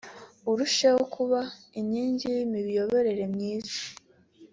urusheho kuba inkingi y’imiyoborere myiza